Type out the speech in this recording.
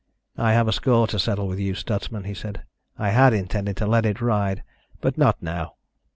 "I have a score to settle with you, Stutsman," he said. "I had intended to let it ride, but not now."